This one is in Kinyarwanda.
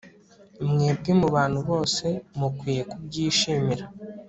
Mwebwe mubantu bose mukwiye kubyishimira